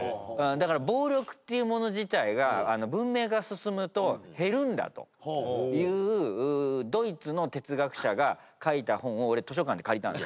だから暴力ってもの自体が文明が進むと減るんだというドイツの哲学者が書いた本を俺図書館で借りた。